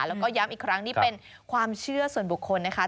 แล้วก็ย้ำอีกครั้งนี่เป็นความเชื่อส่วนบุคคลนะคะ